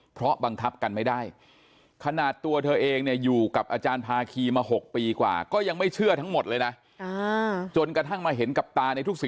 ภรรยาอาจารย์ภาคีบอกว่านี่เสียงผี